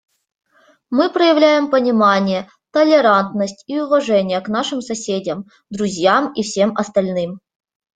Мы проявляем понимание, толерантность и уважение к нашим соседям, друзьям и всем остальным.